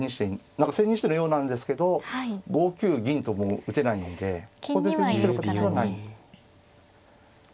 何か千日手のようなんですけど５九銀ともう打てないのでここで千日手の形はない。